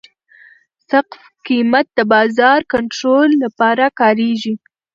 سقف قیمت د بازار کنټرول لپاره کارېږي.